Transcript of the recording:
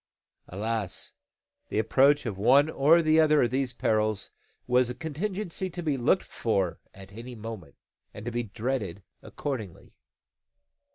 Alas! the approach of one or the other of these perils was a contingency to be looked for at any moment, and to be dreaded accordingly.